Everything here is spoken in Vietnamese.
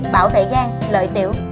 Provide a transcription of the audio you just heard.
bảo tệ gan lợi tiểu